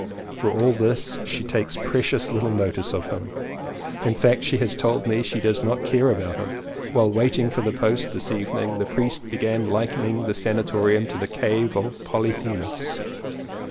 For all this she takes precious little notice of him — in fact she has told me she does not care about him. While waiting for the post this evening the priest began likening the sanatorium to the cave of Polythemus.